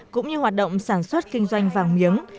cũng như hoạt động sản xuất kinh doanh vàng miếng